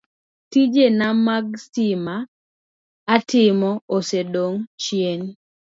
Tijena mag sitima atimo osedong' chien,